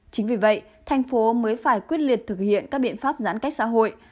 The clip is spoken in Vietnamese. chính vì vậy thành phố mới phải quyết liệt thực hiện các biện pháp giãn cách xã hội